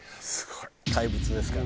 怪物ですから。